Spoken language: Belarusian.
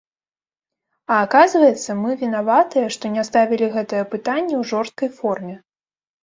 А аказваецца, мы вінаватыя, што не ставілі гэтае пытанне ў жорсткай форме!